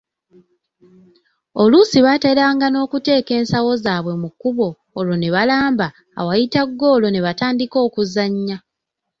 Oluusi baateranga n'okuteeka ensawo zaabwe mu kkubo olwo nebaalamba awayita ggoolo ne batandika okuzannya.